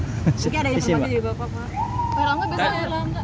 mungkin ada yang mau jadi bapak pak